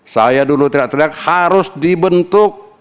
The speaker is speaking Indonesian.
saya dulu tidak teriak harus dibentuk